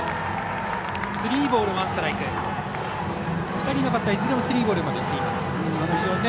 ２人のバッターいずれもスリーボールまでいっています。